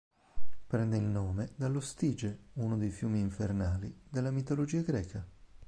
Prende il nome dallo Stige, uno dei fiumi infernali della mitologia greca.